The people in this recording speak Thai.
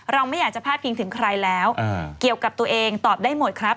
ไม่อยากจะพลาดพิงถึงใครแล้วเกี่ยวกับตัวเองตอบได้หมดครับ